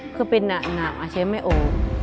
ก็เป็นหนักอาชีพไม่อ่าน